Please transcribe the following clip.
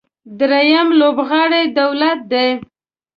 درېیم لوبغاړی دولت دی.